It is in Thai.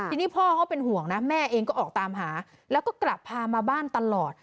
ทีนี้พ่อเขาเป็นห่วงนะแม่เองก็ออกตามหาแล้วก็กลับพามาบ้านตลอด